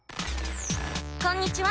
こんにちは。